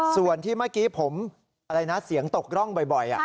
ส่วนที่เมื่อกี้ผมอะไรนะเสียงตกร่องบ่อย